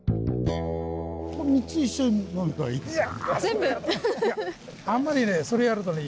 ３つ一緒に飲めばいいですよね。